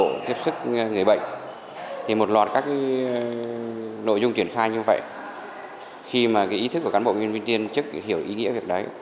đội tình nguyện viên tiếp xúc người bệnh thì một loạt các nội dung triển khai như vậy khi mà cái ý thức của cán bộ nhân viên tiên chức hiểu ý nghĩa việc đấy